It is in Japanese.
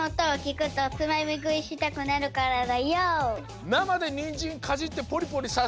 なまでにんじんかじってポリポリさしてんのかＹＯ！